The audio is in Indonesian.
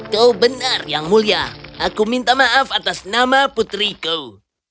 kau benar yang mulia aku minta maaf atas nama putriku